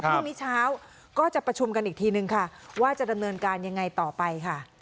พรุ่งนี้เช้าก็จะประชุมกันอีกทีนึงค่ะว่าจะดำเนินการยังไงต่อไปค่ะ